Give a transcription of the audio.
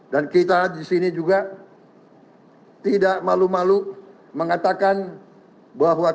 dan kita di sini juga tidak malu malu mengatakan bahwa kita